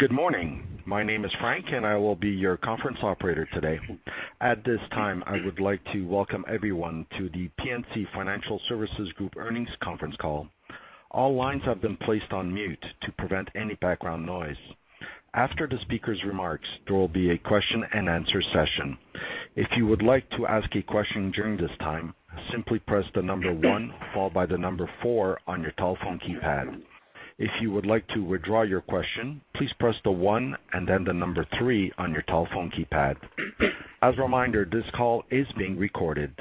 Good morning. My name is Frank, I will be your conference operator today. At this time, I would like to welcome everyone to the PNC Financial Services Group Earnings Conference Call. All lines have been placed on mute to prevent any background noise. After the speaker's remarks, there will be a question and answer session. If you would like to ask a question during this time, simply press the number one, followed by the number four on your telephone keypad. If you would like to withdraw your question, please press the one and then the number three on your telephone keypad. As a reminder, this call is being recorded.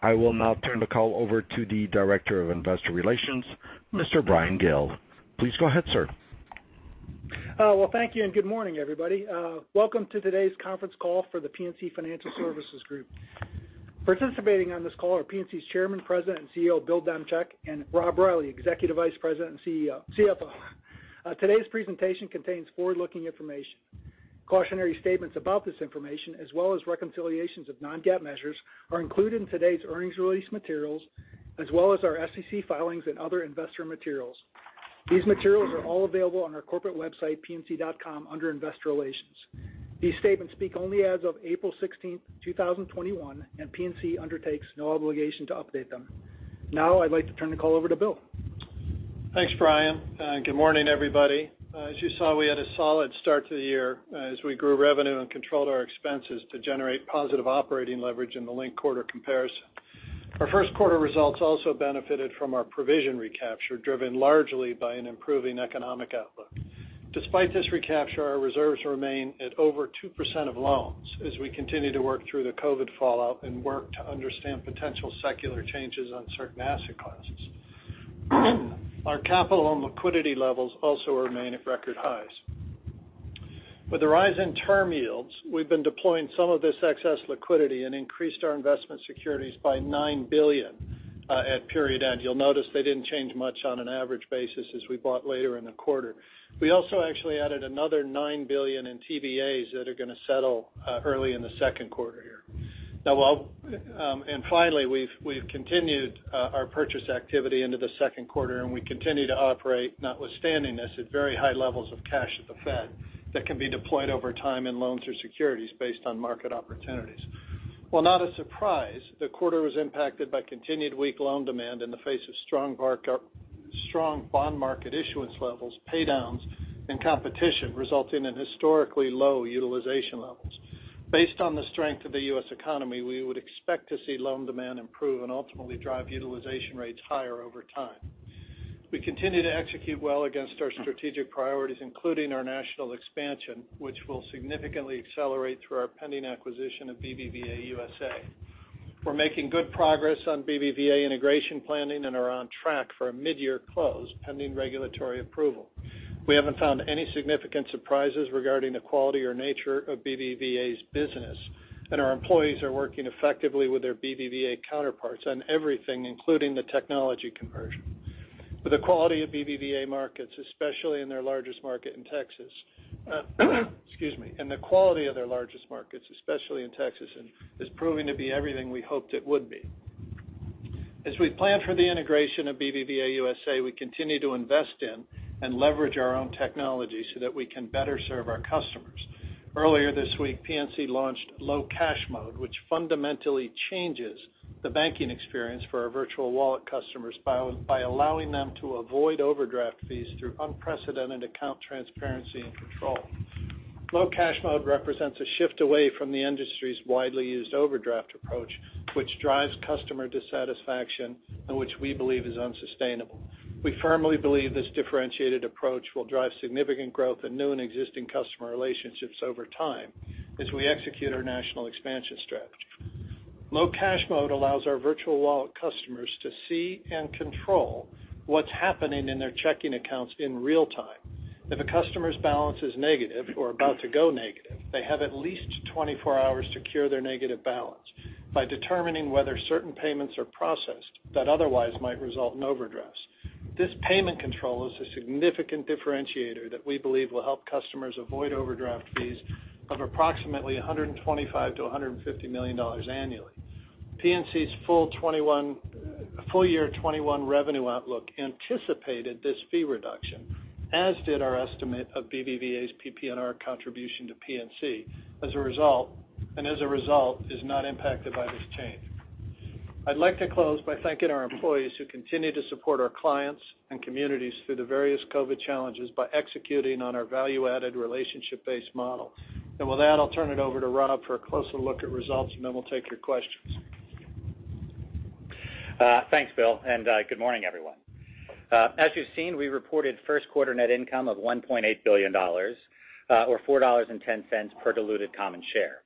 I will now turn the call over to the Director of Investor Relations, Mr. Bryan Gill. Please go ahead, sir. Well, thank you, and good morning, everybody. Welcome to today's conference call for The PNC Financial Services Group. Participating on this call are PNC's Chairman, President, and CEO, Bill Demchak, and Rob Reilly, Executive Vice President and CFO. Today's presentation contains forward-looking information. Cautionary statements about this information, as well as reconciliations of non-GAAP measures, are included in today's earnings release materials, as well as our SEC filings and other investor materials. These materials are all available on our corporate website, pnc.com, under Investor Relations. These statements speak only as of April 16th, 2021, and PNC undertakes no obligation to update them. Now I'd like to turn the call over to Bill. Thanks, Bryan. Good morning, everybody. As you saw, we had a solid start to the year as we grew revenue and controlled our expenses to generate positive operating leverage in the linked quarter comparison. Our first quarter results also benefited from our provision recapture, driven largely by an improving economic outlook. Despite this recapture, our reserves remain at over 2% of loans as we continue to work through the COVID fallout and work to understand potential secular changes on certain asset classes. Our capital and liquidity levels also remain at record highs. With the rise in term yields, we've been deploying some of this excess liquidity and increased our investment securities by $9 billion at period end. You'll notice they didn't change much on an average basis as we bought later in the quarter. We also actually added another $9 billion in TBAs that are going to settle early in the second quarter here. Finally, we've continued our purchase activity into the second quarter, and we continue to operate, notwithstanding this, at very high levels of cash at the Fed that can be deployed over time in loans or securities based on market opportunities. While not a surprise, the quarter was impacted by continued weak loan demand in the face of strong bond market issuance levels, pay downs, and competition resulting in historically low utilization levels. Based on the strength of the U.S. economy, we would expect to see loan demand improve and ultimately drive utilization rates higher over time. We continue to execute well against our strategic priorities, including our national expansion, which will significantly accelerate through our pending acquisition of BBVA USA. We're making good progress on BBVA integration planning and are on track for a mid-year close, pending regulatory approval. We haven't found any significant surprises regarding the quality or nature of BBVA's business, and our employees are working effectively with their BBVA counterparts on everything, including the technology conversion. The quality of their largest markets, especially in Texas, is proving to be everything we hoped it would be. As we plan for the integration of BBVA USA, we continue to invest in and leverage our own technology so that we can better serve our customers. Earlier this week, PNC launched Low Cash Mode, which fundamentally changes the banking experience for our Virtual Wallet customers by allowing them to avoid overdraft fees through unprecedented account transparency and control. Low Cash Mode represents a shift away from the industry's widely used overdraft approach, which drives customer dissatisfaction and which we believe is unsustainable. We firmly believe this differentiated approach will drive significant growth in new and existing customer relationships over time as we execute our national expansion strategy. Low Cash Mode allows our Virtual Wallet customers to see and control what's happening in their checking accounts in real time. If a customer's balance is negative or about to go negative, they have at least 24 hours to cure their negative balance by determining whether certain payments are processed that otherwise might result in overdrafts. This payment control is a significant differentiator that we believe will help customers avoid overdraft fees of approximately $125 million-$150 million annually. PNC's full year 2021 revenue outlook anticipated this fee reduction, as did our estimate of BBVA's PPNR contribution to PNC, and as a result, is not impacted by this change. I'd like to close by thanking our employees who continue to support our clients and communities through the various COVID challenges by executing on our value-added relationship-based model. With that, I'll turn it over to Rob for a closer look at results, and then we'll take your questions. Thanks, Bill, and good morning, everyone. As you've seen, we reported first quarter net income of $1.8 billion, or $4.10 per diluted common share.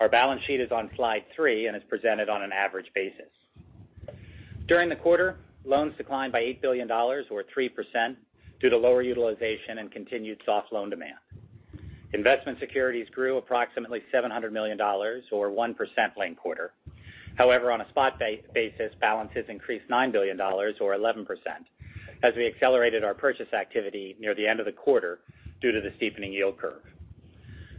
Our balance sheet is on slide three and is presented on an average basis. During the quarter, loans declined by $8 billion, or 3%, due to lower utilization and continued soft loan demand. Investment securities grew approximately $700 million, or 1% linked quarter. However, on a spot basis, balances increased $9 billion, or 11%, as we accelerated our purchase activity near the end of the quarter due to the steepening yield curve.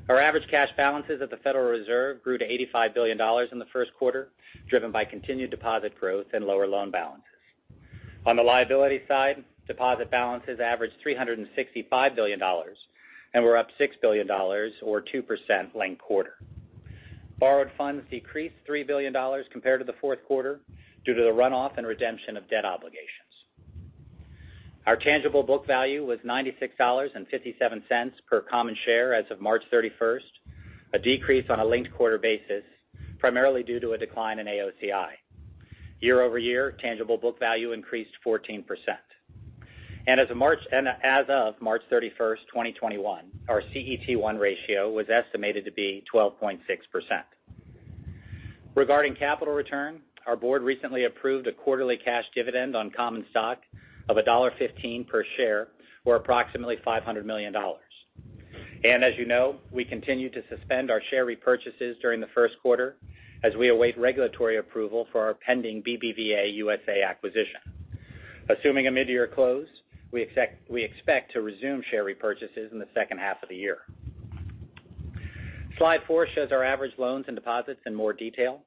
Our average cash balances at the Federal Reserve grew to $85 billion in the first quarter, driven by continued deposit growth and lower loan balances. On the liability side, deposit balances averaged $365 billion and were up $6 billion, or 2% linked quarter. Borrowed funds decreased $3 billion compared to the fourth quarter due to the runoff and redemption of debt obligations. Our tangible book value was $96.57 per common share as of March 31st, a decrease on a linked-quarter basis, primarily due to a decline in AOCI. Year-over-year, tangible book value increased 14%. As of March 31st, 2021, our CET1 ratio was estimated to be 12.6%. Regarding capital return, our board recently approved a quarterly cash dividend on common stock of $1.15 per share, or approximately $500 million. As you know, we continue to suspend our share repurchases during the first quarter as we await regulatory approval for our pending BBVA USA acquisition. Assuming a mid-year close, we expect to resume share repurchases in the second half of the year. Slide four shows our average loans and deposits in more detail.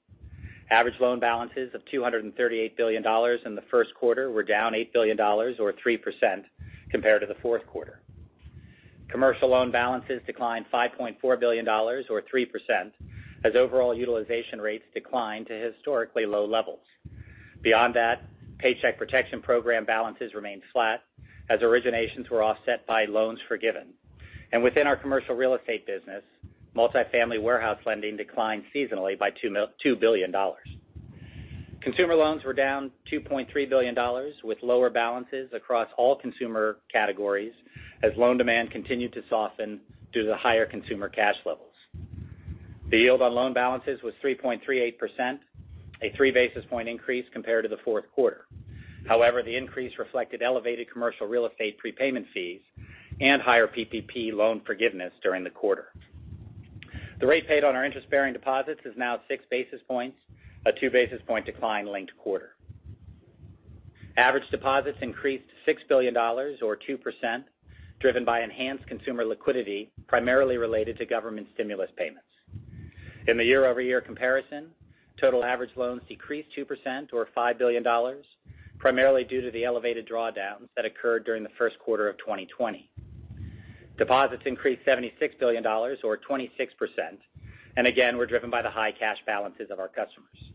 Average loan balances of $238 billion in the first quarter were down $8 billion, or 3%, compared to the fourth quarter. Commercial loan balances declined $5.4 billion, or 3%, as overall utilization rates declined to historically low levels. Beyond that, Paycheck Protection Program balances remained flat as originations were offset by loans forgiven. Within our Commercial Real Estate business, multifamily warehouse lending declined seasonally by $2 billion. Consumer loans were down $2.3 billion, with lower balances across all consumer categories as loan demand continued to soften due to the higher consumer cash levels. The yield on loan balances was 3.38%, a three basis point increase compared to the fourth quarter. However, the increase reflected elevated Commercial Real Estate prepayment fees and higher PPP loan forgiveness during the quarter. The rate paid on our interest-bearing deposits is now six basis points, a two basis point decline linked quarter. Average deposits increased $6 billion, or 2%, driven by enhanced consumer liquidity, primarily related to government stimulus payments. In the year-over-year comparison, total average loans decreased 2%, or $5 billion, primarily due to the elevated drawdowns that occurred during the first quarter of 2020. Again, deposits increased $76 billion, or 26%, and were driven by the high cash balances of our customers.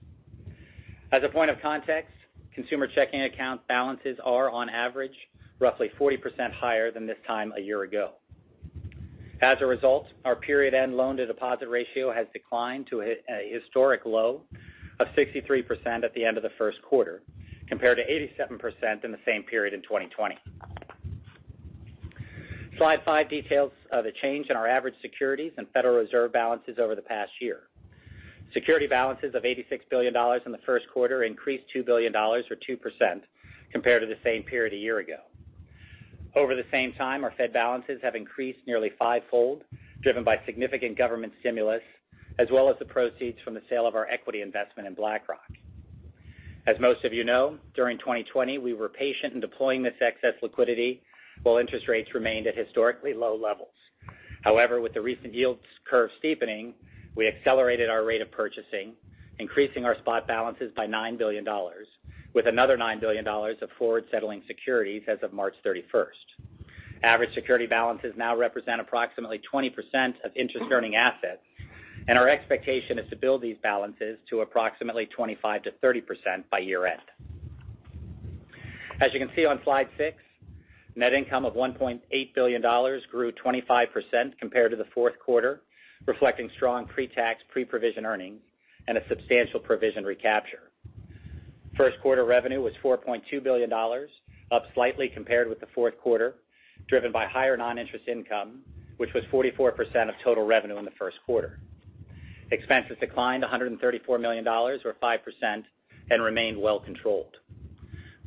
As a point of context, consumer checking account balances are, on average, roughly 40% higher than this time a year ago. As a result, our period end loan-to-deposit ratio has declined to a historic low of 63% at the end of the first quarter, compared to 87% in the same period in 2020. Slide five details the change in our average securities and Federal Reserve balances over the past year. Security balances of $86 billion in the first quarter increased $2 billion or 2%, compared to the same period a year ago. Over the same time, our Fed balances have increased nearly fivefold, driven by significant government stimulus, as well as the proceeds from the sale of our equity investment in BlackRock. As most of you know, during 2020, we were patient in deploying this excess liquidity while interest rates remained at historically low levels. However, with the recent yield curve steepening, we accelerated our rate of purchasing, increasing our spot balances by $9 billion, with another $9 billion of forward-settling securities as of March 31st. Average security balances now represent approximately 20% of interest-earning assets, and our expectation is to build these balances to approximately 25%-30% by year-end. As you can see on slide six, net income of $1.8 billion grew 25% compared to the fourth quarter, reflecting strong pre-tax, pre-provision earnings and a substantial provision recapture. First quarter revenue was $4.2 billion, up slightly compared with the fourth quarter, driven by higher non-interest income, which was 44% of total revenue in the first quarter. Expenses declined $134 million, or 5%, and remained well controlled.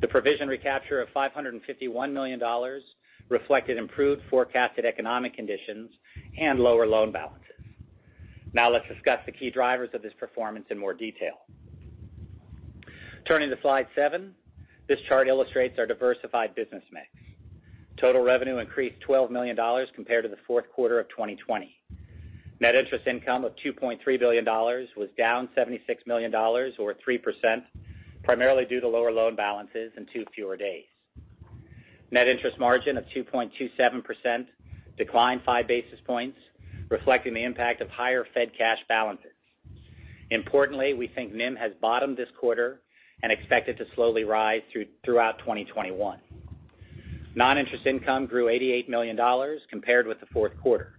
The provision recapture of $551 million reflected improved forecasted economic conditions and lower loan balances. Now let's discuss the key drivers of this performance in more detail. Turning to slide seven, this chart illustrates our diversified business mix. Total revenue increased $12 million compared to the fourth quarter of 2020. Net interest income of $2.3 billion was down $76 million or 3%, primarily due to lower loan balances and two fewer days. Net interest margin of 2.27% declined five basis points, reflecting the impact of higher Fed cash balances. Importantly, we think NIM has bottomed this quarter and expect it to slowly rise throughout 2021. Non-interest income grew $88 million compared with the fourth quarter.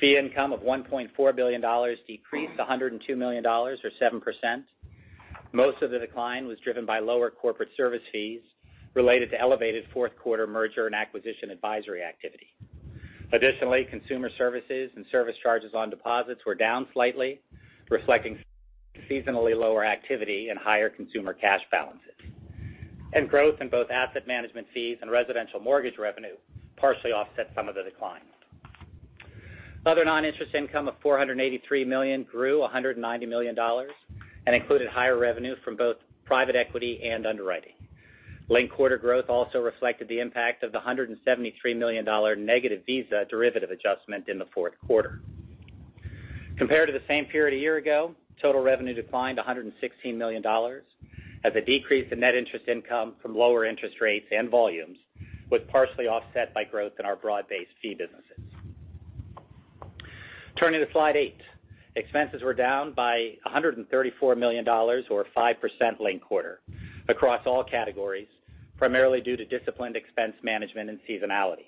Fee income of $1.4 billion decreased $102 million or 7%. Most of the decline was driven by lower corporate service fees related to elevated fourth quarter merger and acquisition advisory activity. Consumer services and service charges on deposits were down slightly, reflecting seasonally lower activity and higher consumer cash balances. Growth in both asset management fees and residential mortgage revenue partially offset some of the declines. Other non-interest income of $483 million grew $190 million and included higher revenue from both private equity and underwriting. Linked quarter growth also reflected the impact of the $173 million negative Visa derivative adjustment in the fourth quarter. Compared to the same period a year ago, total revenue declined $116 million as a decrease in net interest income from lower interest rates and volumes was partially offset by growth in our broad-based fee businesses. Turning to slide eight. Expenses were down by $134 million or 5% linked-quarter across all categories, primarily due to disciplined expense management and seasonality.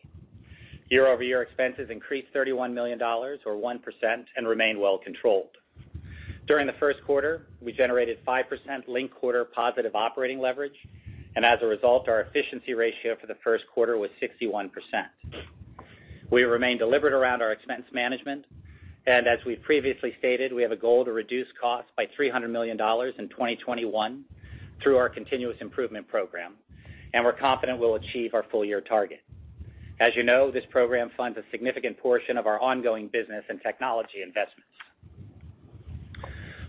Year-over-year expenses increased $31 million or 1% and remain well controlled. During the first quarter, we generated 5% linked-quarter positive operating leverage, and as a result, our efficiency ratio for the first quarter was 61%. We remain deliberate around our expense management, and as we've previously stated, we have a goal to reduce costs by $300 million in 2021 through our Continuous Improvement Program, and we're confident we'll achieve our full-year target. As you know, this program funds a significant portion of our ongoing business and technology investments.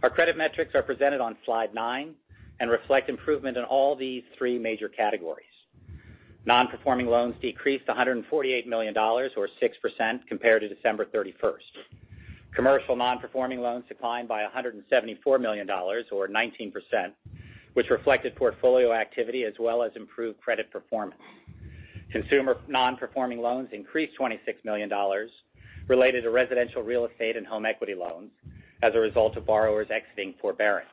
Our credit metrics are presented on slide nine and reflect improvement in all these three major categories. Non-performing loans decreased $148 million or 6% compared to December 31st. Commercial non-performing loans declined by $174 million or 19%, which reflected portfolio activity as well as improved credit performance. Consumer non-performing loans increased $26 million related to residential real estate and home equity loans as a result of borrowers exiting forbearance.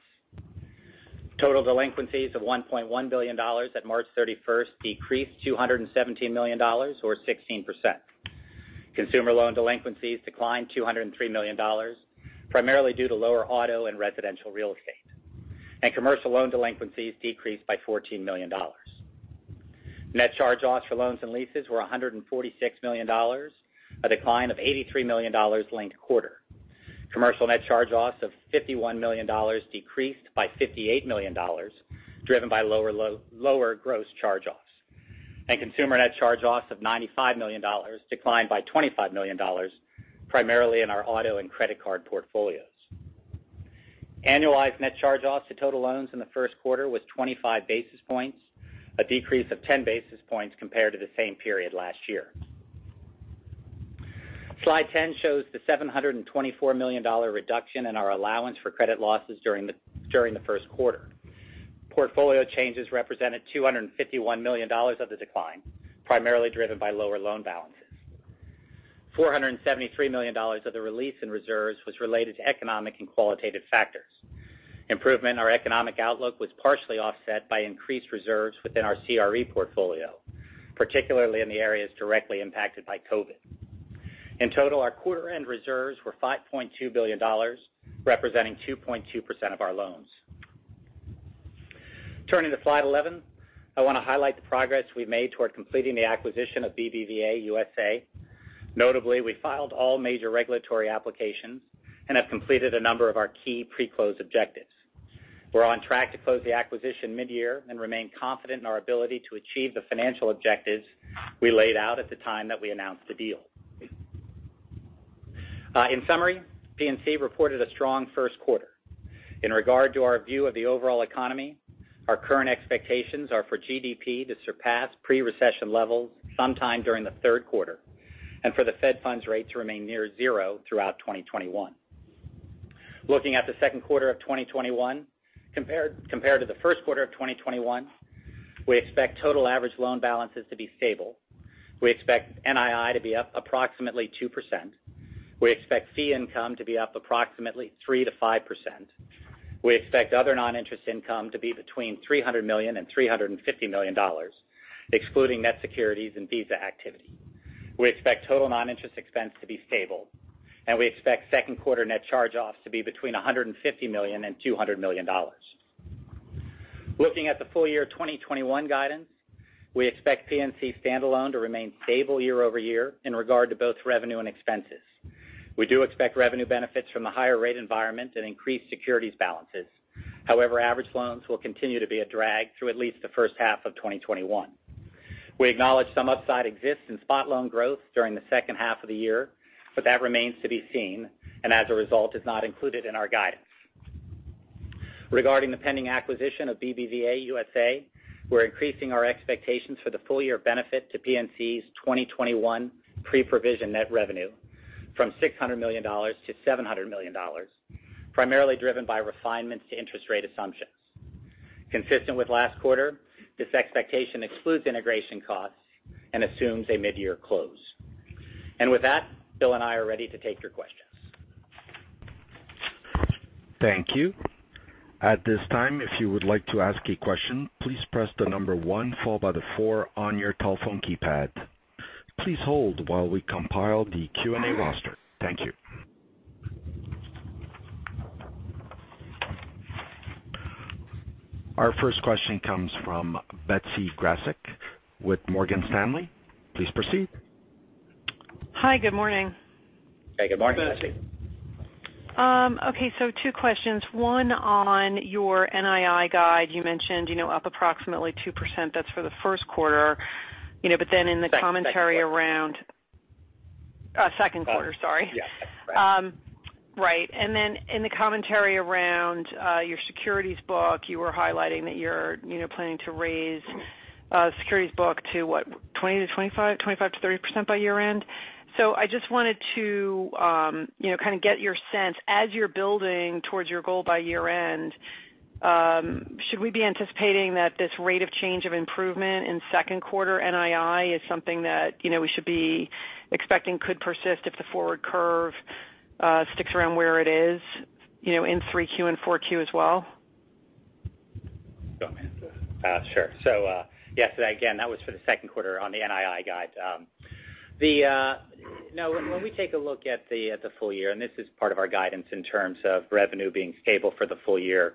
Total delinquencies of $1.1 billion at March 31st decreased $217 million or 16%. Consumer loan delinquencies declined $203 million, primarily due to lower auto and residential real estate. Commercial loan delinquencies decreased by $14 million. Net charge-offs for loans and leases were $146 million, a decline of $83 million linked quarter. Commercial net charge-offs of $51 million decreased by $58 million, driven by lower gross charge-offs. Consumer net charge-offs of $95 million declined by $25 million, primarily in our auto and credit card portfolios. Annualized net charge-offs to total loans in the first quarter was 25 basis points, a decrease of 10 basis points compared to the same period last year. Slide 10 shows the $724 million reduction in our allowance for credit losses during the first quarter. Portfolio changes represented $251 million of the decline, primarily driven by lower loan balances. $473 million of the release in reserves was related to economic and qualitative factors. Improvement in our economic outlook was partially offset by increased reserves within our CRE portfolio, particularly in the areas directly impacted by COVID. In total, our quarter-end reserves were $5.2 billion, representing 2.2% of our loans. Turning to slide 11, I want to highlight the progress we've made toward completing the acquisition of BBVA USA. Notably, we filed all major regulatory applications and have completed a number of our key pre-close objectives. We're on track to close the acquisition mid-year and remain confident in our ability to achieve the financial objectives we laid out at the time that we announced the deal. In summary, PNC reported a strong first quarter. In regard to our view of the overall economy, our current expectations are for GDP to surpass pre-recession levels sometime during the third quarter, and for the Fed funds rate to remain near zero throughout 2021. Looking at the second quarter of 2021 compared to the first quarter of 2021, we expect total average loan balances to be stable. We expect NII to be up approximately 2%. We expect fee income to be up approximately 3%-5%. We expect other non-interest income to be between $300 million and $350 million, excluding net securities and Visa activity. We expect total non-interest expense to be stable, and we expect second quarter net charge-offs to be between $150 million and $200 million. Looking at the full year 2021 guidance, we expect PNC standalone to remain stable year-over-year in regard to both revenue and expenses. We do expect revenue benefits from the higher rate environment and increased securities balances. However, average loans will continue to be a drag through at least the first half of 2021. We acknowledge some upside exists in spot loan growth during the second half of the year, but that remains to be seen, and as a result, is not included in our guidance. Regarding the pending acquisition of BBVA USA, we're increasing our expectations for the full year benefit to PNC's 2021 pre-provision net revenue from $600 million to $700 million, primarily driven by refinements to interest rate assumptions. Consistent with last quarter, this expectation excludes integration costs and assumes a mid-year close. With that, Bill and I are ready to take your questions. Thank you. Thank you. Our first question comes from Betsy Graseck with Morgan Stanley. Please proceed. Hi, good morning. Hey, good morning, Betsy. Okay, two questions. One on your NII guide. You mentioned up approximately 2%. That's for the first quarter. In the commentary around second quarter, sorry. Yeah. Right. In the commentary around your securities book, you were highlighting that you're planning to raise securities book to what? 20%-25%, 25%-30% by year-end. I just wanted to kind of get your sense, as you're building towards your goal by year-end, should we be anticipating that this rate of change of improvement in second quarter NII is something that we should be expecting could persist if the forward curve sticks around where it is in 3Q and 4Q as well? Sure. Yes, again, that was for the second quarter on the NII guide. When we take a look at the full year, and this is part of our guidance in terms of revenue being stable for the full year,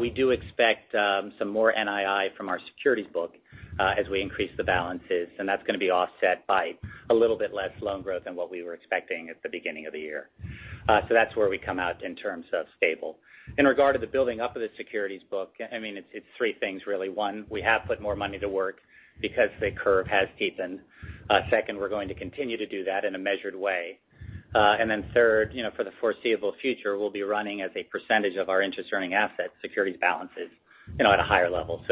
we do expect some more NII from our securities book as we increase the balances. That's going to be offset by a little bit less loan growth than what we were expecting at the beginning of the year. That's where we come out in terms of stable. In regard to the building up of the securities book, it's three things really. One, we have put more money to work because the curve has steepened. Second, we're going to continue to do that in a measured way. Third, for the foreseeable future, we'll be running as a percentage of our interest earning assets, securities balances at a higher level.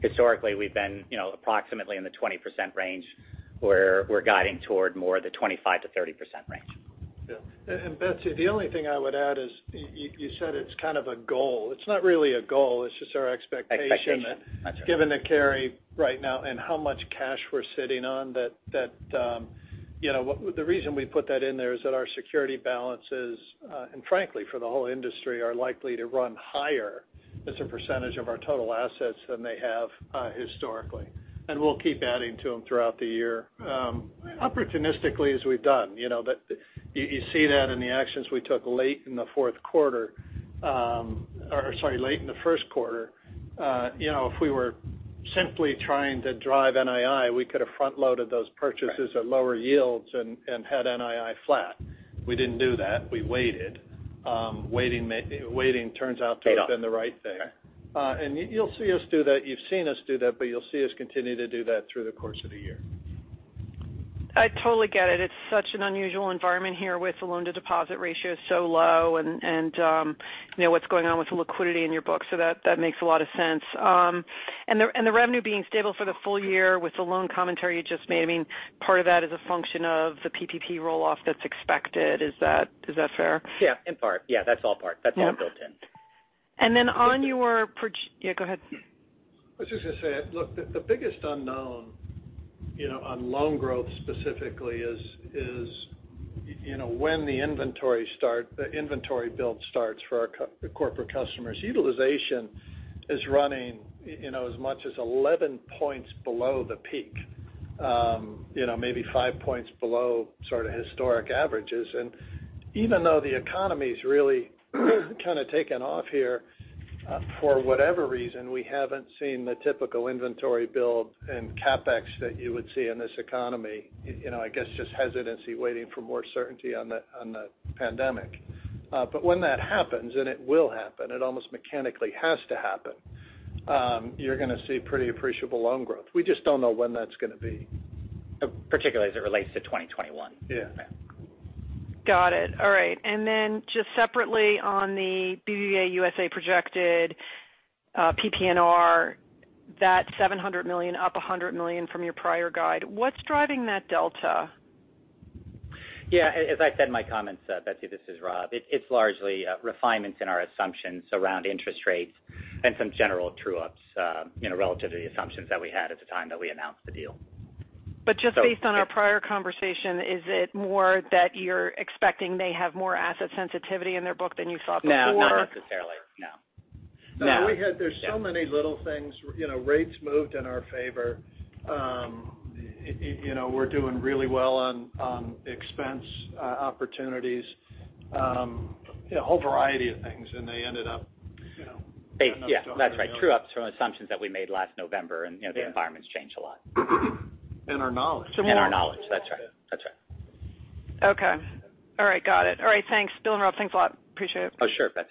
Historically we've been approximately in the 20% range where we're guiding toward more of the 25%-30% range. Yeah. Betsy, the only thing I would add is you said it's kind of a goal. It's not really a goal. It's just our expectation. Expectation. That's right. given the carry right now and how much cash we're sitting on that the reason we put that in there is that our security balances, and frankly for the whole industry, are likely to run higher as a percentage of our total assets than they have historically. We'll keep adding to them throughout the year opportunistically as we've done. You see that in the fourth quarter, or sorry, late in the first quarter. If we were simply trying to drive NII, we could have front-loaded those purchases at lower yields and had NII flat. We didn't do that. We waited. Waiting turns out to have been the right thing. Paid off. You'll see us do that. You've seen us do that, but you'll see us continue to do that through the course of the year. I totally get it. It's such an unusual environment here with the loan to deposit ratio so low and what's going on with the liquidity in your book. That makes a lot of sense. The revenue being stable for the full year with the loan commentary you just made, part of that is a function of the PPP roll-off that's expected. Is that fair? Yeah. In part. Yeah. That's all part, that's all built in. Yeah, go ahead. I was just going to say, look, the biggest unknown on loan growth specifically is when the inventory build starts for the corporate customers. Utilization is running as much as 11 points below the peak. Maybe five points below sort of historic averages. Even though the economy's really kind of taken off here, for whatever reason, we haven't seen the typical inventory build and CapEx that you would see in this economy. I guess just hesitancy waiting for more certainty on the pandemic. When that happens, and it will happen, it almost mechanically has to happen, you're going to see pretty appreciable loan growth. We just don't know when that's going to be. Particularly as it relates to 2021. Yeah. Got it. All right. Just separately on the BBVA USA projected PPNR, that's $700 million up $100 million from your prior guide. What's driving that delta? Yeah. As I said in my comments, Betsy, this is Rob. It's largely refinements in our assumptions around interest rates and some general true-ups relative to the assumptions that we had at the time that we announced the deal. Just based on our prior conversation, is it more that you're expecting they have more asset sensitivity in their book than you saw before? No, not necessarily. No. There's so many little things. Rates moved in our favor. We're doing really well on expense opportunities. Yeah. That's right. True-ups from assumptions that we made last November and the environment's changed a lot. Our knowledge. Our knowledge. That's right. Okay. All right. Got it. All right, thanks. Bill and Rob, thanks a lot. Appreciate it. Oh, sure, Betsy.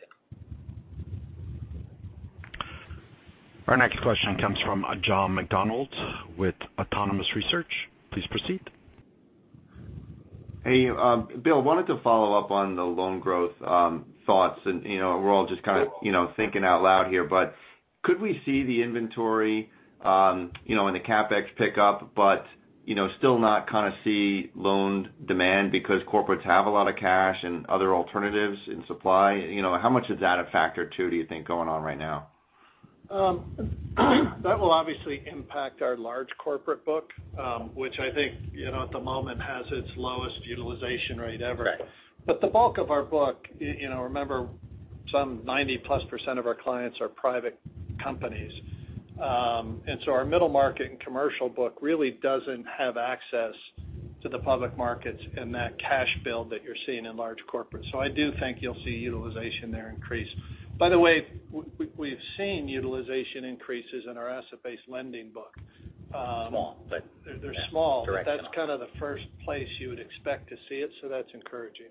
Our next question comes from John McDonald with Autonomous Research. Please proceed. Hey. Bill, wanted to follow up on the loan growth thoughts and we're all just kind of thinking out loud here. Could we see the inventory and the CapEx pick up but still not kind of see loan demand because corporates have a lot of cash and other alternatives in supply? How much is that a factor too, do you think, going on right now? That will obviously impact our large corporate book, which I think at the moment has its lowest utilization rate ever. The bulk of our book, remember some 90%+ of our clients are private companies. Our middle market and commercial book really doesn't have access to the public markets and that cash build that you're seeing in large corporate. I do think you'll see utilization there increase. By the way, we've seen utilization increases in our asset-based lending book. Small. They're small. Correct. That's kind of the first place you would expect to see it, so that's encouraging.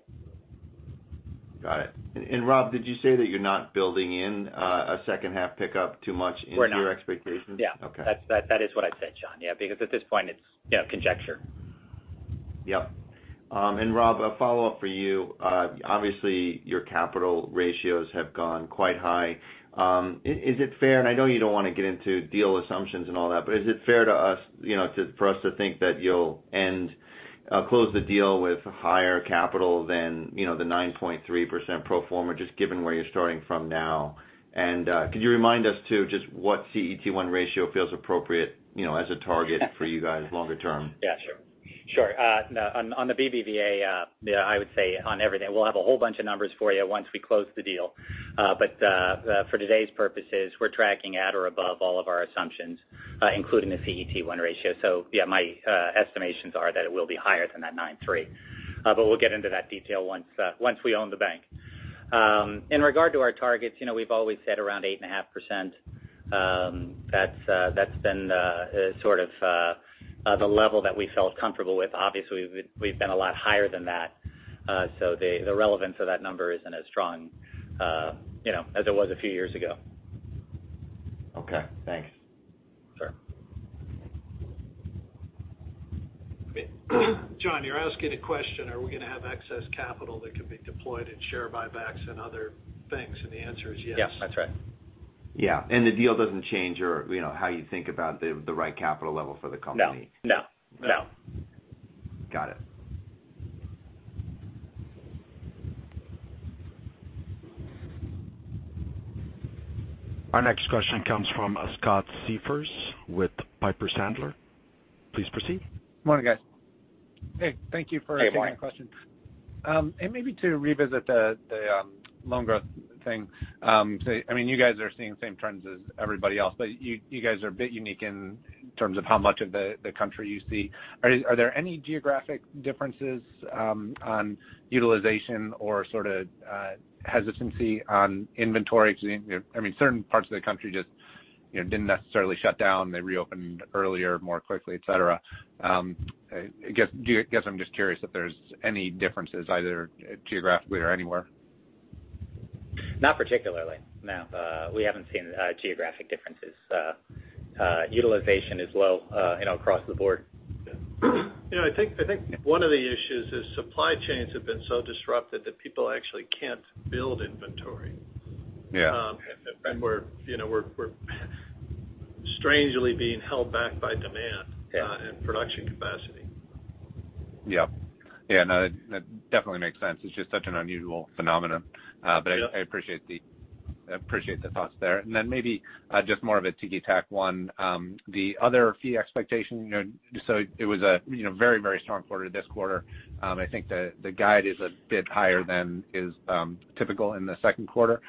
Got it. Rob, did you say that you're not building in a second half pickup too much. We're not into your expectations? Yeah. Okay. That is what I said, John. Yeah. At this point it's conjecture. Yep. Rob, a follow-up for you. Obviously, your capital ratios have gone quite high. I know you don't want to get into deal assumptions and all that, but is it fair to us to, for us to think that you'll end, close the deal with higher capital than the 9.3% pro forma, just given where you're starting from now. Could you remind us too, just what CET1 ratio feels appropriate as a target for you guys longer term? Yeah, sure. Sure. On the BBVA, I would say on everything. We'll have a whole bunch of numbers for you once we close the deal. For today's purposes, we're tracking at or above all of our assumptions, including the CET1 ratio. Yeah, my estimations are that it will be higher than that 9.3. We'll get into that detail once we own the bank. In regard to our targets, we've always said around 8.5%. That's been the level that we felt comfortable with. Obviously, we've been a lot higher than that. The relevance of that number isn't as strong as it was a few years ago. Okay, thanks. Sure. John, you're asking a question, are we going to have excess capital that can be deployed in share buybacks and other things, and the answer is yes. Yes, that's right. Yeah. The deal doesn't change or how you think about the right capital level for the company. No. Got it. Our next question comes from Scott Siefers with Piper Sandler. Please proceed. Morning, guys. Hey, thank you. Hey, morning. taking my question. Maybe to revisit the loan growth thing. You guys are seeing the same trends as everybody else, but you guys are a bit unique in terms of how much of the country you see. Are there any geographic differences on utilization or hesitancy on inventory? Because certain parts of the country just didn't necessarily shut down. They reopened earlier, more quickly, et cetera. I guess I'm just curious if there's any differences, either geographically or anywhere. Not particularly, no. We haven't seen geographic differences. Utilization is low and across the board. Yeah. I think one of the issues is supply chains have been so disrupted that people actually can't build inventory. Yeah. We're strangely being held back by demand. Yeah and production capacity. Yep. Yeah, no, that definitely makes sense. It's just such an unusual phenomenon. Yep. I appreciate the thoughts there. Maybe just more of a ticky-tack one. The other fee expectation. It was a very strong quarter this quarter. I think the guide is a bit higher than is typical in the second quarter.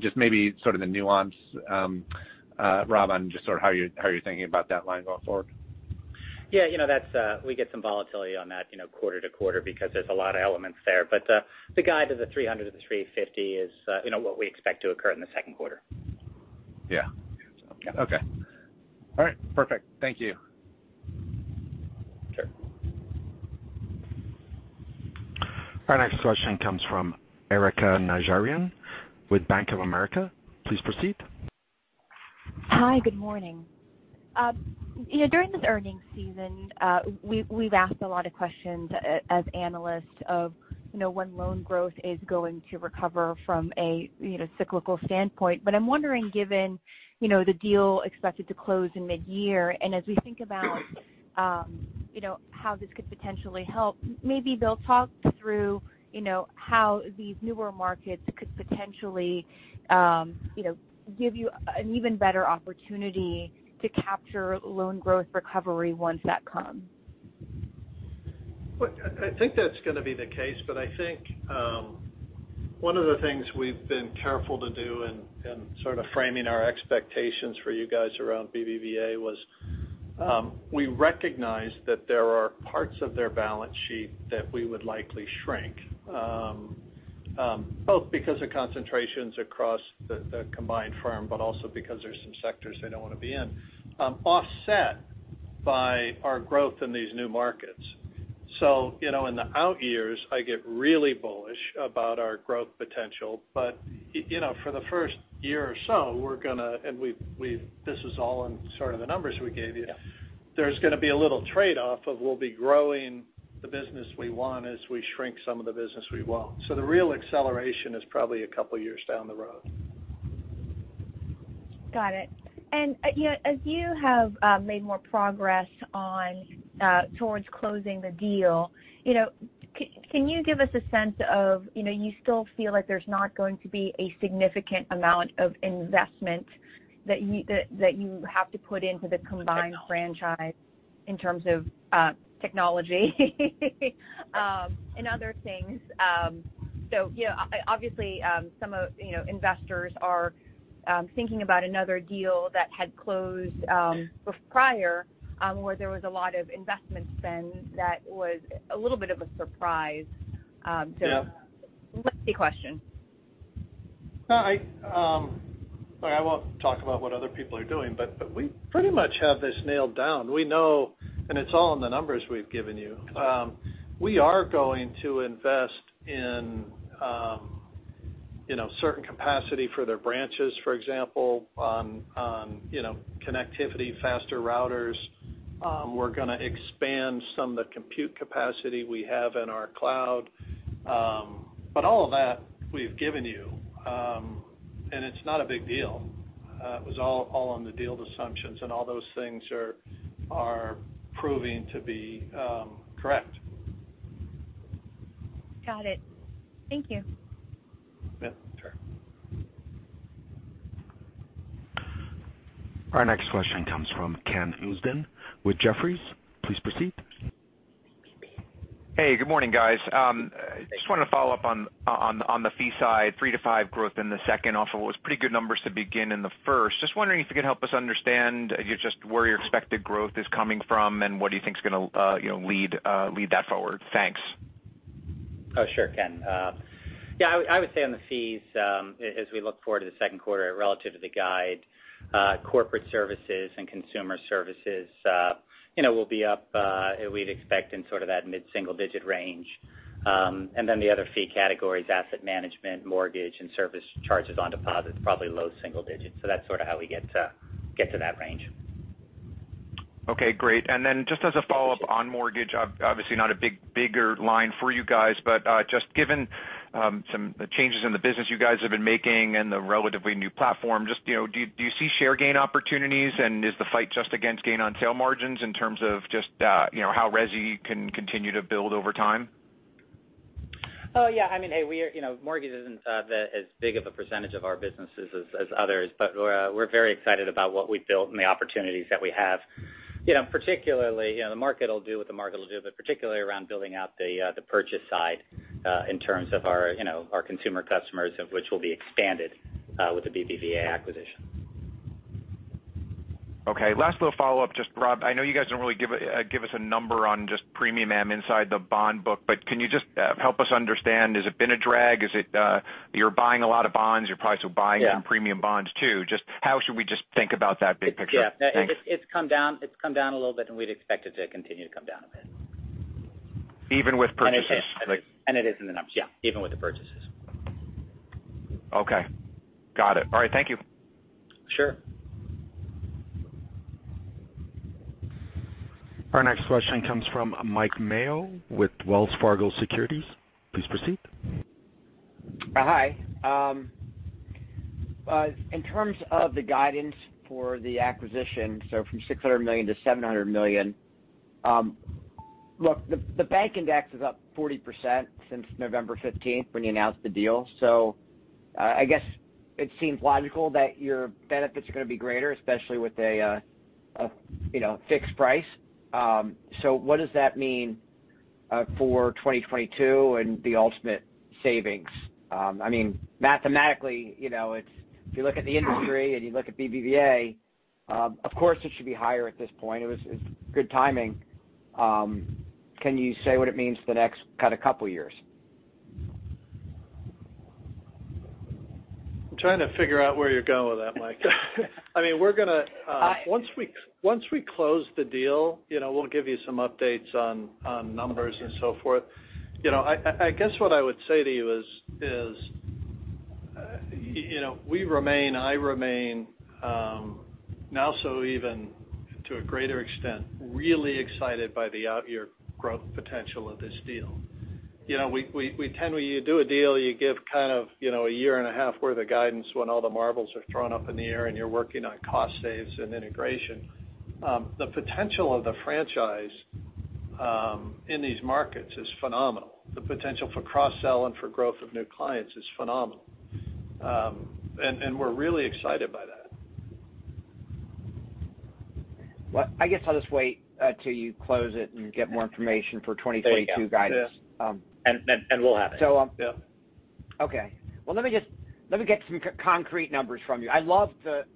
Just maybe the nuance, Rob, on just how you're thinking about that line going forward. Yeah. We get some volatility on that quarter to quarter because there's a lot of elements there. The guide to the 300-350 is what we expect to occur in the second quarter. Yeah. Yeah. Okay. All right, perfect. Thank you. Sure. Our next question comes from Erika Najarian with Bank of America. Please proceed. Hi. Good morning. During this earnings season, we've asked a lot of questions as analysts of when loan growth is going to recover from a cyclical standpoint. I'm wondering, given the deal expected to close in mid-year, and as we think about how this could potentially help, maybe Bill talk through how these newer markets could potentially give you an even better opportunity to capture loan growth recovery once that comes. Well, I think that's going to be the case, but I think one of the things we've been careful to do in sort of framing our expectations for you guys around BBVA was, we recognize that there are parts of their balance sheet that we would likely shrink. Both because of concentrations across the combined firm, but also because there's some sectors they don't want to be in. Offset by our growth in these new markets. In the out years, I get really bullish about our growth potential. For the first year or so, and this is all in sort of the numbers we gave you there's going to be a little trade-off of we'll be growing the business we want as we shrink some of the business we won't. The real acceleration is probably a couple of years down the road. Got it. As you have made more progress towards closing the deal, can you give us a sense of you still feel like there's not going to be a significant amount of investment that you have to put into the combined franchise in terms of technology and other things. Obviously, some investors are thinking about another deal that had closed prior, where there was a lot of investment spend that was a little bit of a surprise to. Yeah That's the question. No, I won't talk about what other people are doing, but we pretty much have this nailed down. We know, and it's all in the numbers we've given you. We are going to invest in certain capacity for their branches, for example, on connectivity, faster routers. We're going to expand some of the compute capacity we have in our cloud. All of that we've given you, and it's not a big deal. It was all on the deal assumptions and all those things are proving to be correct. Got it. Thank you. Yeah, sure. Our next question comes from Ken Usdin with Jefferies. Please proceed. Hey, good morning, guys. Just wanted to follow up on the fee side 3%-5% growth in the second. Also, it was pretty good numbers to begin in the first. Just wondering if you could help us understand just where your expected growth is coming from and what do you think is going to lead that forward? Thanks. Oh, sure, Ken. Yeah, I would say on the fees, as we look forward to the second quarter relative to the guide, corporate services and consumer services will be up, we'd expect in sort of that mid-single digit range. The other fee categories, asset management, mortgage, and service charges on deposits, probably low single digits. That's sort of how we get to that range. Okay, great. Just as a follow-up on mortgage, obviously not a bigger line for you guys, but just given some changes in the business you guys have been making and the relatively new platform, just do you see share gain opportunities and is the fight just against gain on sale margins in terms of just how resi can continue to build over time? Oh, yeah. Mortgage isn't as big of a percentage of our businesses as others, but we're very excited about what we've built and the opportunities that we have. Particularly, the market will do what the market will do, but particularly around building out the purchase side in terms of our consumer customers of which will be expanded with the BBVA acquisition. Okay. Last little follow-up. Just Rob, I know you guys don't really give us a number on just premium inside the bond book, but can you just help us understand, has it been a drag? You're buying a lot of bonds. You're probably still buying some premium bonds too. Just how should we just think about that big picture? Thanks. Yeah. It's come down a little bit, and we'd expect it to continue to come down a bit. Even with purchases? It is in the numbers. Yeah. Even with the purchases. Okay. Got it. All right. Thank you. Sure. Our next question comes from Mike Mayo with Wells Fargo Securities. Please proceed. Hi. In terms of the guidance for the acquisition, from $600 million to $700 million. Look, the bank index is up 40% since November 15th when you announced the deal. I guess it seems logical that your benefits are going to be greater, especially with a fixed price. What does that mean for 2022 and the ultimate savings? Mathematically, if you look at the industry and you look at BBVA, of course it should be higher at this point. It was good timing. Can you say what it means for the next kind of couple years? I'm trying to figure out where you're going with that, Mike. Once we close the deal, we'll give you some updates on numbers and so forth. I guess what I would say to you is we remain, I remain, now so even to a greater extent, really excited by the out-year growth potential of this deal. When you do a deal, you give kind of a year and a half worth of guidance when all the marbles are thrown up in the air and you're working on cost saves and integration. The potential of the franchise in these markets is phenomenal. The potential for cross-sell and for growth of new clients is phenomenal. We're really excited by that. Well, I guess I'll just wait until you close it and get more information for 2022 guidance. There you go. Yeah. We'll have it. So- Yeah. Okay. Well, let me get some concrete numbers from you. I love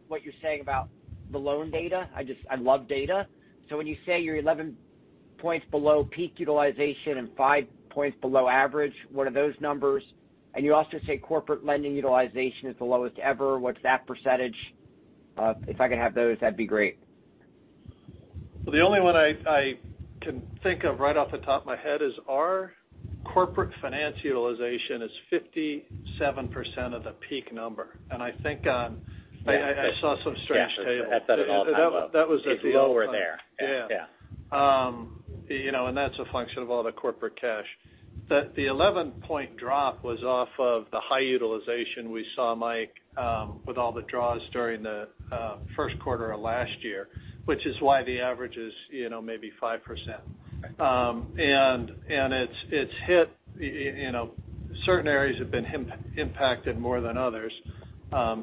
what you're saying about the loan data. I love data. When you say you're 11 points below peak utilization and 5 points below average, what are those numbers? You also say corporate lending utilization is the lowest ever. What's that percentage? If I could have those, that'd be great. Well, the only one I can think of right off the top of my head is our corporate finance utilization is 57% of the peak number. Yeah. That's at an all time low. that was at the- It's lower there. Yeah. Yeah. That's a function of all the corporate cash. The 11-point drop was off of the high utilization we saw, Mike, with all the draws during the first quarter of last year, which is why the average is maybe 5%. Right. It's hit. Certain areas have been impacted more than others.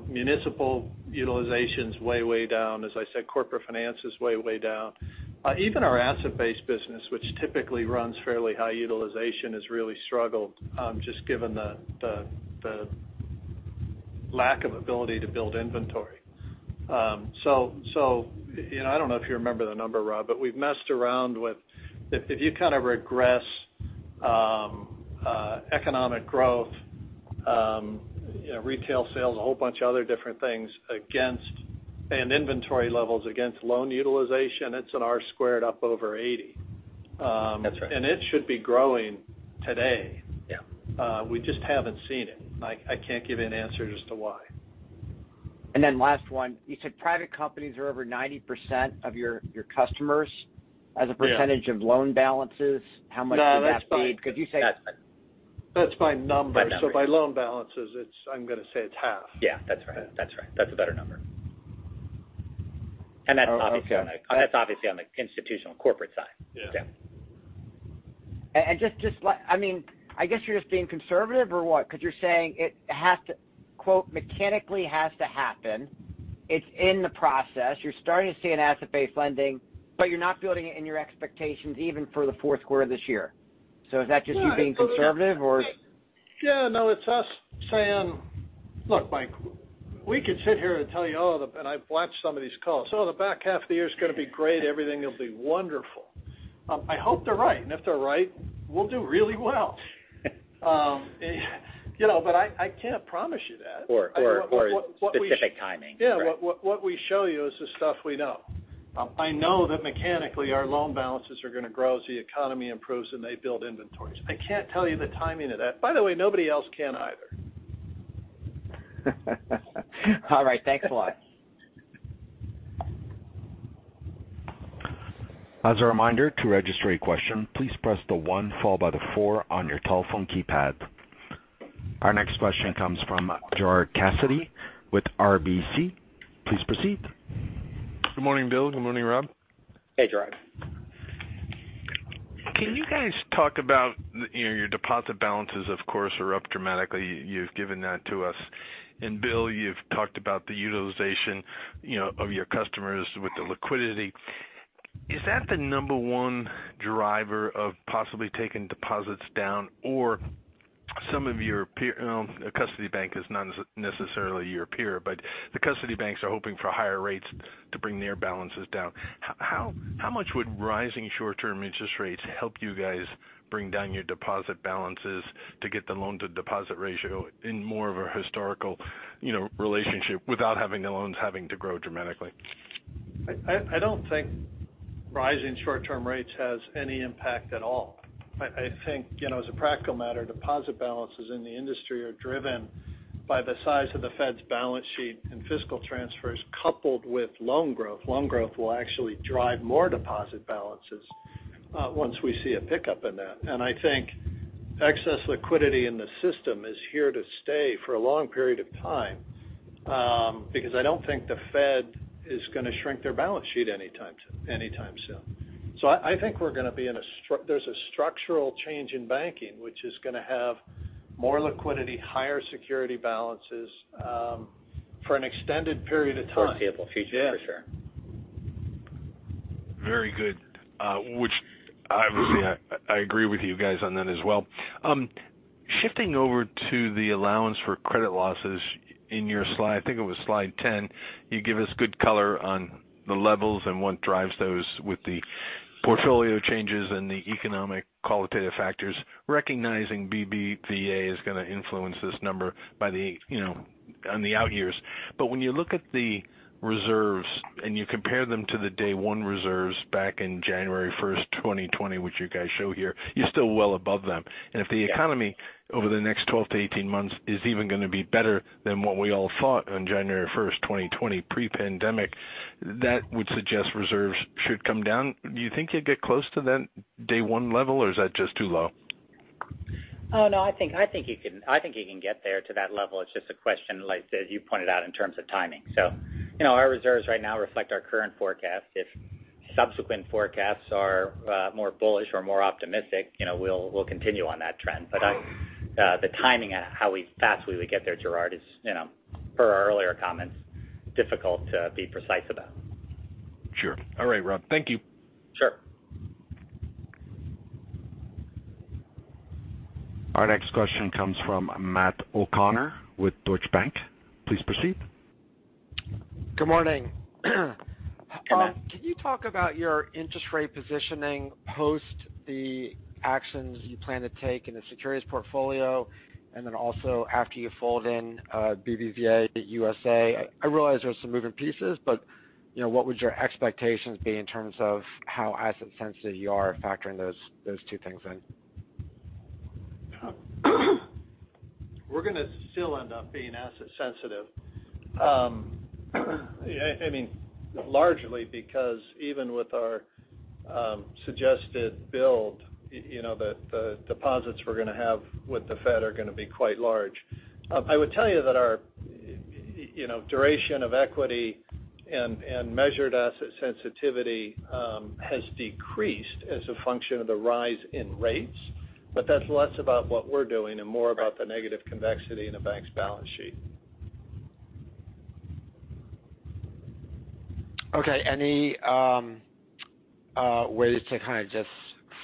Municipal utilization's way down. As I said, corporate finance is way down. Even our asset-based business, which typically runs fairly high utilization, has really struggled just given the lack of ability to build inventory. I don't know if you remember the number, Rob, but we've messed around with If you kind of regress economic growth, retail sales, a whole bunch of other different things and inventory levels against loan utilization, it's an R-squared up over 80. That's right. It should be growing today. Yeah. We just haven't seen it. I can't give you an answer as to why. Last one, you said private companies are over 90% of your customers. Yeah as a percentage of loan balances. How much of that- No, that's by- Could you say- That's by numbers. By numbers. By loan balances, I'm going to say it's half. Yeah. That's right. That's a better number. Oh, okay. obviously on the institutional and corporate side. Yeah. Yeah. I guess you're just being conservative or what? You're saying it "mechanically has to happen." It's in the process. You're starting to see an asset-based lending, but you're not building it in your expectations even for the fourth quarter of this year. Is that just you being conservative, or? Yeah, no, it's us saying, look, Mike, we could sit here and tell you. I've watched some of these calls. The back half of the year is going to be great. Everything will be wonderful. I hope they're right, and if they're right, we'll do really well. I can't promise you that. Specific timing. Yeah. What we show you is the stuff we know. I know that mechanically, our loan balances are going to grow as the economy improves and they build inventories. I can't tell you the timing of that. By the way, nobody else can either. All right. Thanks a lot. As a reminder, to register a question, please press the one followed by the four on your telephone keypad. Our next question comes from Gerard Cassidy with RBC. Please proceed. Good morning, Bill. Good morning, Rob. Hey, Gerard. Can you guys talk about your deposit balances, of course, are up dramatically. You've given that to us. Bill, you've talked about the utilization of your customers with the liquidity. Is that the number one driver of possibly taking deposits down or some of your peer-- well, a custody bank is not necessarily your peer, but the custody banks are hoping for higher rates to bring their balances down. How much would rising short-term interest rates help you guys bring down your deposit balances to get the loan-to-deposit ratio in more of a historical relationship without having the loans having to grow dramatically? I don't think rising short-term rates has any impact at all. I think, as a practical matter, deposit balances in the industry are driven by the size of the Fed's balance sheet and fiscal transfers coupled with loan growth. Loan growth will actually drive more deposit balances once we see a pickup in that. I think excess liquidity in the system is here to stay for a long period of time, because I don't think the Fed is going to shrink their balance sheet anytime soon. I think there's a structural change in banking, which is going to have more liquidity, higher security balances for an extended period of time. Foreseeable future. Yeah. For sure. Very good. Obviously, I agree with you guys on that as well. Shifting over to the allowance for credit losses in your slide, I think it was slide 10, you give us good color on the levels and what drives those with the portfolio changes and the economic qualitative factors, recognizing BBVA is going to influence this number on the out years. When you look at the reserves and you compare them to the day one reserves back in January 1st, 2020, which you guys show here, you're still well above them. If the economy over the next 12 to 18 months is even going to be better than what we all thought on January 1st, 2020 pre-pandemic, that would suggest reserves should come down. Do you think you'd get close to that day one level, or is that just too low? Oh, no. I think you can get there to that level. It's just a question, like as you pointed out, in terms of timing. Our reserves right now reflect our current forecast. If subsequent forecasts are more bullish or more optimistic, we'll continue on that trend. The timing on how fast we would get there, Gerard, is per our earlier comments, difficult to be precise about. Sure. All right, Rob. Thank you. Sure. Our next question comes from Matt O'Connor with Deutsche Bank. Please proceed. Good morning. Hey, Matt. Can you talk about your interest rate positioning post the actions you plan to take in the securities portfolio, and then also after you fold in BBVA USA? I realize there's some moving pieces, but what would your expectations be in terms of how asset sensitive you are factoring those two things in? We're going to still end up being asset sensitive. Largely because even with our suggested build, the deposits we're going to have with the Fed are going to be quite large. I would tell you that our duration of equity and measured asset sensitivity has decreased as a function of the rise in rates, but that's less about what we're doing and more about the negative convexity in a bank's balance sheet. Okay. Any ways to kind of just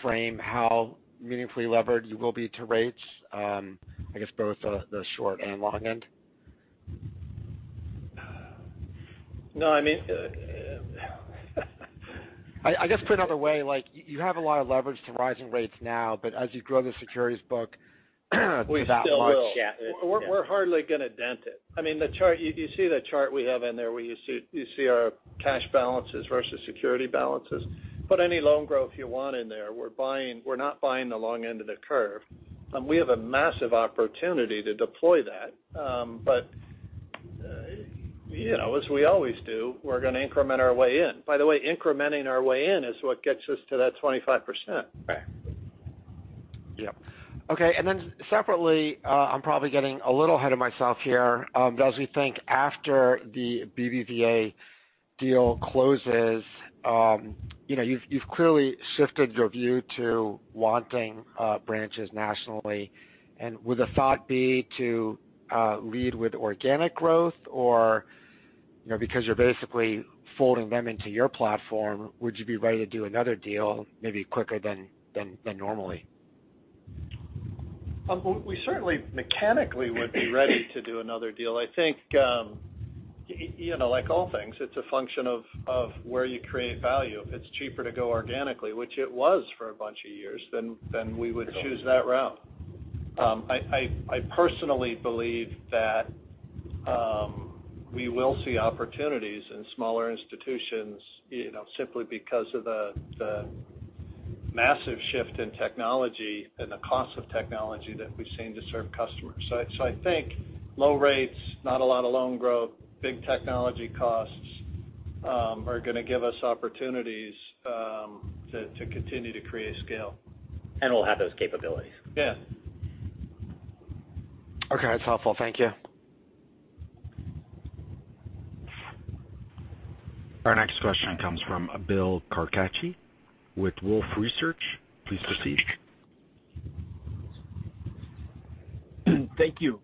frame how meaningfully levered you will be to rates? I guess both the short and long end. No, I mean. I guess put another way, you have a lot of leverage to rising rates now, but as you grow the securities book that much. We still will. We're hardly going to dent it. You see the chart we have in there where you see our cash balances versus security balances. Put any loan growth you want in there. We're not buying the long end of the curve. We have a massive opportunity to deploy that. As we always do, we're going to increment our way in. By the way, incrementing our way in is what gets us to that 25%. Right. Yep. Okay. Separately, I'm probably getting a little ahead of myself here, but as we think after the BBVA deal closes, you've clearly shifted your view to wanting branches nationally. Would the thought be to lead with organic growth? Because you're basically folding them into your platform, would you be ready to do another deal maybe quicker than normally? We certainly mechanically would be ready to do another deal. I think, like all things, it's a function of where you create value. If it's cheaper to go organically, which it was for a bunch of years, then we would choose that route. I personally believe that we will see opportunities in smaller institutions simply because of the massive shift in technology and the cost of technology that we've seen to serve customers. I think low rates, not a lot of loan growth, big technology costs are going to give us opportunities to continue to create scale. We'll have those capabilities. Yeah. Okay. That's helpful. Thank you. Our next question comes from Bill Carcache with Wolfe Research. Please proceed. Thank you.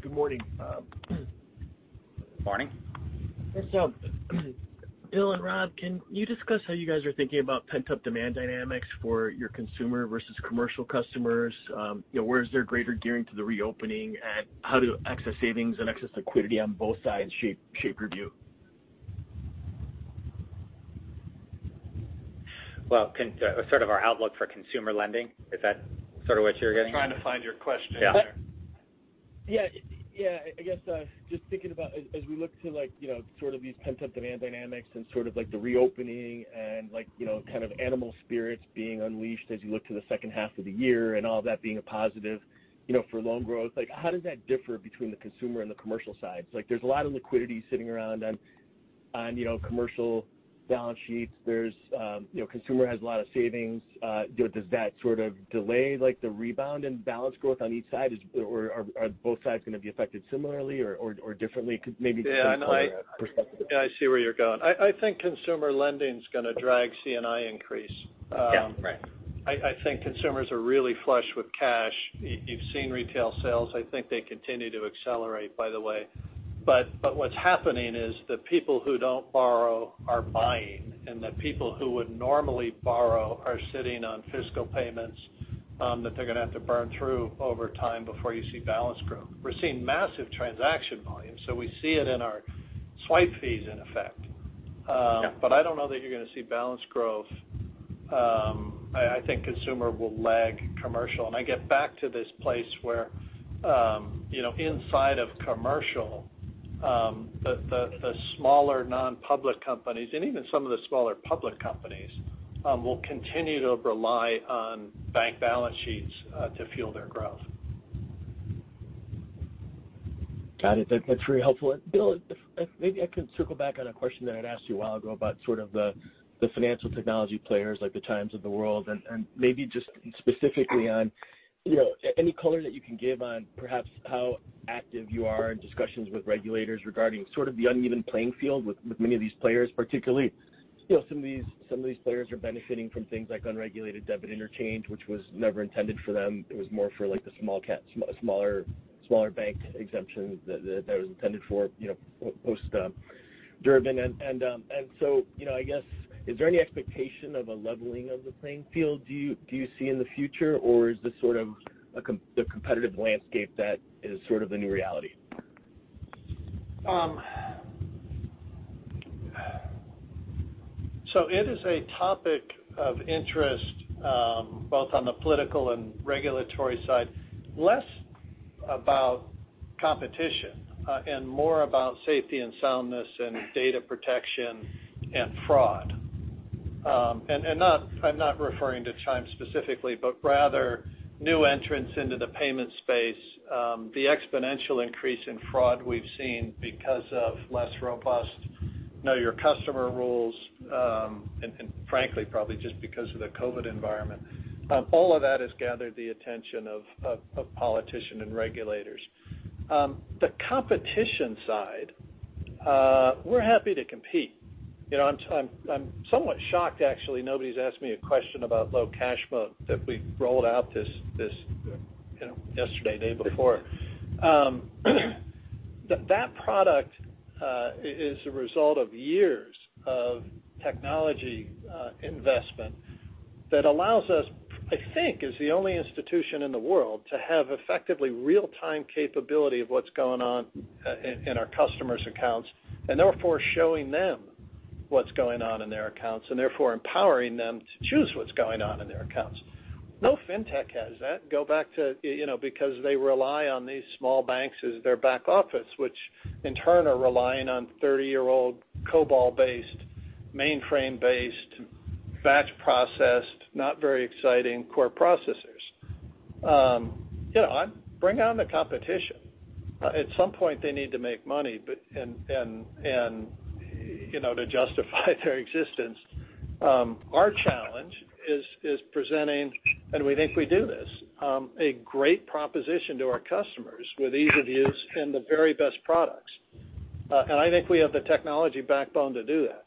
Good morning. Morning. Bill and Rob, can you discuss how you guys are thinking about pent-up demand dynamics for your consumer versus commercial customers? Where is there greater gearing to the reopening? And how do excess savings and excess liquidity on both sides shape your view? Well, sort of our outlook for consumer lending. Is that sort of what you're getting at? Trying to find your question in there. Yeah. I guess just thinking about as we look to these pent-up demand dynamics and sort of the reopening and kind of animal spirits being unleashed as you look to the second half of the year and all that being a positive for loan growth, how does that differ between the consumer and the commercial sides? There's a lot of liquidity sitting around on commercial balance sheets. Consumer has a lot of savings. Does that sort of delay the rebound in balance growth on each side? Are both sides going to be affected similarly or differently? Yeah, I see where you're going. I think consumer lending's going to drag C&I increase. Yeah. Right. I think consumers are really flush with cash. You've seen retail sales. I think they continue to accelerate, by the way. What's happening is the people who don't borrow are buying, and the people who would normally borrow are sitting on fiscal payments that they're going to have to burn through over time before you see balance grow. We're seeing massive transaction volume. We see it in our swipe fees in effect. Yeah. I don't know that you're going to see balance growth. I think consumer will lag commercial. I get back to this place where inside of commercial, the smaller non-public companies, and even some of the smaller public companies, will continue to rely on bank balance sheets to fuel their growth. Got it. That's very helpful. Bill, maybe I can circle back on a question that I'd asked you a while ago about sort of the financial technology players like the Chime of the world, and maybe just specifically on any color that you can give on perhaps how active you are in discussions with regulators regarding sort of the uneven playing field with many of these players. Particularly, some of these players are benefiting from things like unregulated debit interchange, which was never intended for them. It was more for the smaller bank exemption that was intended for post Durbin. I guess, is there any expectation of a leveling of the playing field do you see in the future? Or is this sort of the competitive landscape that is sort of the new reality? It is a topic of interest both on the political and regulatory side. Less about competition and more about safety and soundness and data protection and fraud. I'm not referring to Chime specifically, but rather new entrants into the payment space. The exponential increase in fraud we've seen because of less robust know your customer rules, and frankly, probably just because of the COVID environment. All of that has gathered the attention of politicians and regulators. The competition side, we're happy to compete. I'm somewhat shocked, actually, nobody's asked me a question about Low Cash Mode that we rolled out yesterday, day before. Yeah. That product is a result of years of technology investment that allows us, I think, as the only institution in the world, to have effectively real-time capability of what's going on in our customers' accounts, and therefore showing them what's going on in their accounts, and therefore empowering them to choose what's going on in their accounts. No fintech has that because they rely on these small banks as their back office, which in turn are relying on 30-year-old COBOL-based, mainframe-based, batch-processed, not very exciting core processors. Bring on the competition. At some point, they need to make money to justify their existence. Our challenge is presenting, and we think we do this, a great proposition to our customers with ease of use and the very best products. I think we have the technology backbone to do that.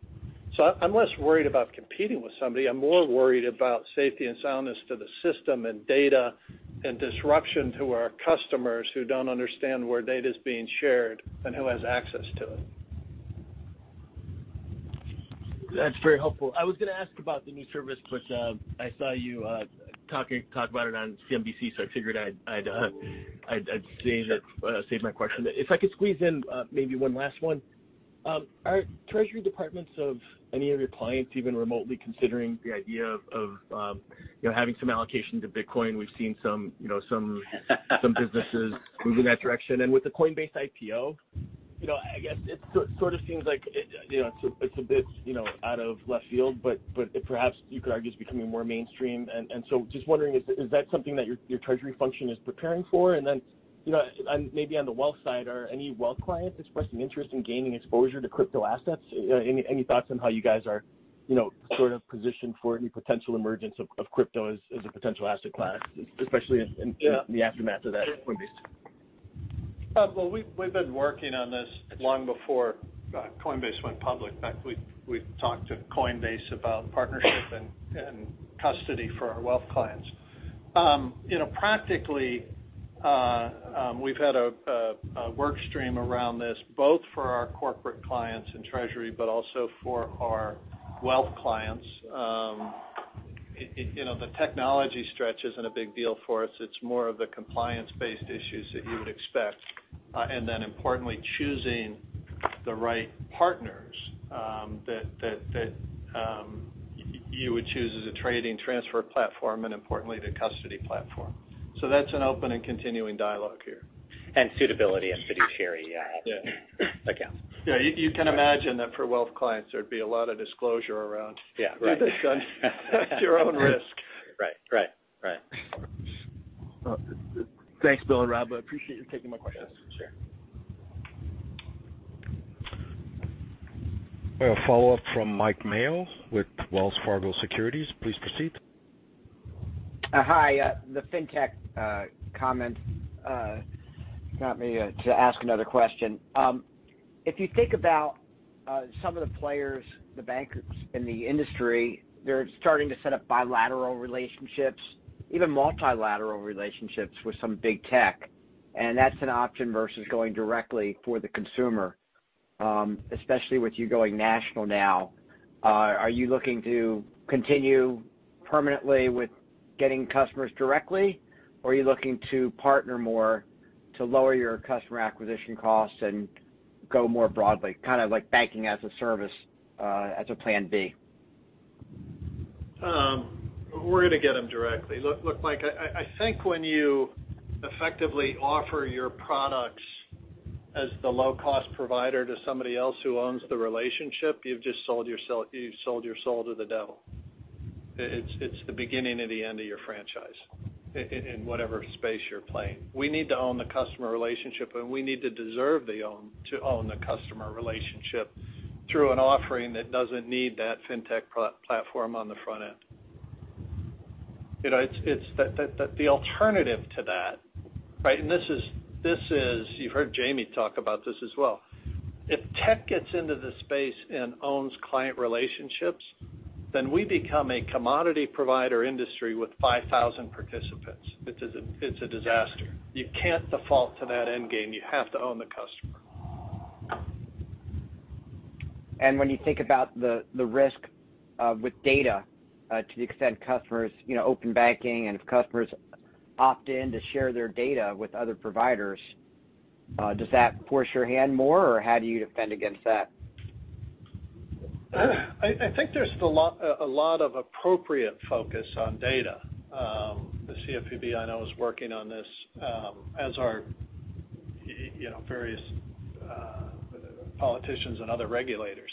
I'm less worried about competing with somebody. I'm more worried about safety and soundness to the system and data and disruption to our customers who don't understand where data's being shared and who has access to it. That's very helpful. I was going to ask about the new service, but I saw you talk about it on CNBC, so I figured I'd save my question. If I could squeeze in maybe one last one. Are Treasury departments of any of your clients even remotely considering the idea of having some allocation to Bitcoin? We've seen businesses move in that direction. With the Coinbase IPO, I guess it sort of seems like it's a bit out of left field. Perhaps you could argue it's becoming more mainstream. Just wondering, is that something that your treasury function is preparing for? Maybe on the wealth side, are any wealth clients expressing interest in gaining exposure to crypto assets? Any thoughts on how you guys are sort of positioned for any potential emergence of crypto as a potential asset class, especially in the aftermath of that Coinbase? Well, we've been working on this long before Coinbase went public. In fact, we've talked to Coinbase about partnership and custody for our wealth clients. Practically, we've had a work stream around this, both for our corporate clients and treasury, but also for our wealth clients. The technology stretch isn't a big deal for us. It's more of the compliance-based issues that you would expect. Then importantly, choosing the right partners that you would choose as a trading transfer platform and importantly, the custody platform. That's an open and continuing dialogue here. Suitability and fiduciary accounts. Yeah. You can imagine that for wealth clients, there'd be a lot of disclosure around. Yeah. Right. Do this at your own risk. Right. Thanks, Bill and Rob. I appreciate you taking my questions. Yeah. Sure. We have a follow-up from Mike Mayo with Wells Fargo Securities. Please proceed. Hi. The fintech comment got me to ask another question. If you think about some of the players, the bankers in the industry, they're starting to set up bilateral relationships, even multilateral relationships with some big tech, that's an option versus going directly for the consumer. Especially with you going national now, are you looking to continue permanently with getting customers directly, are you looking to partner more to lower your customer acquisition costs and go more broadly, kind of like banking as a service as a plan B? We're going to get them directly. Look, Mike, I think when you effectively offer your products as the low-cost provider to somebody else who owns the relationship, you've sold your soul to the devil. It's the beginning of the end of your franchise in whatever space you're playing. We need to own the customer relationship, and we need to deserve to own the customer relationship through an offering that doesn't need that fintech platform on the front end. The alternative to that, you've heard Jamie talk about this as well. If tech gets into the space and owns client relationships, then we become a commodity provider industry with 5,000 participants. It's a disaster. You can't default to that end game. You have to own the customer. When you think about the risk with data to the extent customers, open banking and if customers opt in to share their data with other providers, does that force your hand more, or how do you defend against that? I think there's a lot of appropriate focus on data. The CFPB, I know, is working on this as are various politicians and other regulators.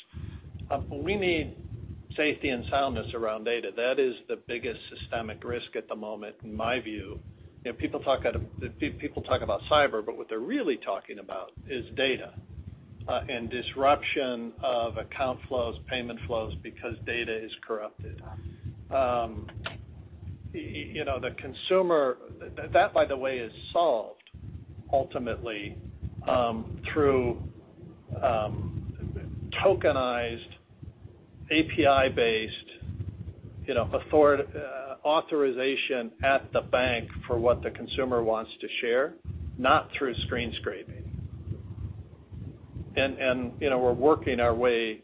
We need safety and soundness around data. That is the biggest systemic risk at the moment, in my view. People talk about cyber, but what they're really talking about is data and disruption of account flows, payment flows because data is corrupted. That, by the way, is solved ultimately through tokenized, API-based authorization at the bank for what the consumer wants to share, not through screen scraping. We're working our way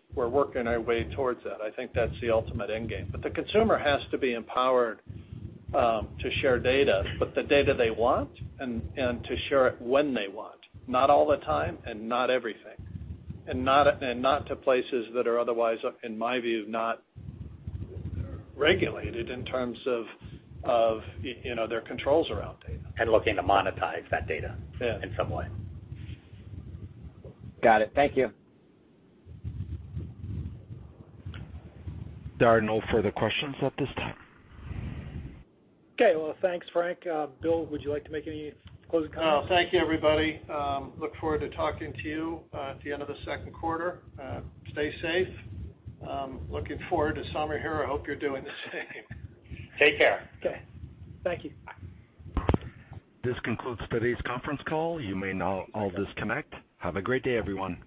towards that. I think that's the ultimate end game. The consumer has to be empowered to share data, but the data they want and to share it when they want, not all the time and not everything, and not to places that are otherwise, in my view, not regulated in terms of their controls around data. Looking to monetize that data. Yeah in some way. Got it. Thank you. There are no further questions at this time. Okay. Well, thanks, Frank. Bill, would you like to make any closing comments? Thank you, everybody. Look forward to talking to you at the end of the second quarter. Stay safe. Looking forward to summer here. I hope you're doing the same. Take care. Okay. Thank you. This concludes today's conference call. You may now all disconnect. Have a great day, everyone.